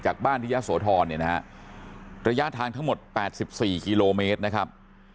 จากบ้านยะสวทรเนี่ยนะฮะระยะทางทั้งหมดแปดสิบสี่กิโลเมตรนะครับ